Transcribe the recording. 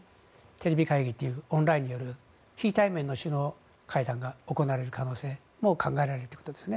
テレビ会議というオンラインによる非対面の首脳会談が行われる可能性も考えられるということですね。